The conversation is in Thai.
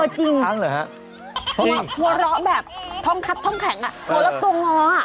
เออจริงหัวเราะแบบท้องแข็งหัวเราะตัวง้อ